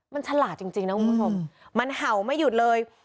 มันฉลาดจริงนะคุณผู้ชมมันเห่าไม่หยุดเลย